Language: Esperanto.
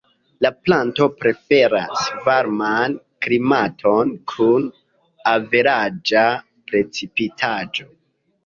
La planto preferas varman klimaton kun averaĝa precipitaĵo.